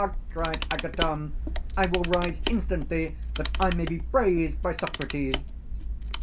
cried Agathon, I will rise instantly, that I may be praised by Socrates.